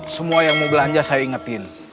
semua yang mau belanja saya ingetin